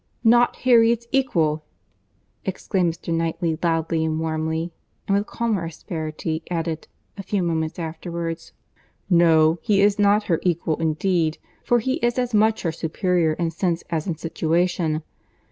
"Not Harriet's equal!" exclaimed Mr. Knightley loudly and warmly; and with calmer asperity, added, a few moments afterwards, "No, he is not her equal indeed, for he is as much her superior in sense as in situation.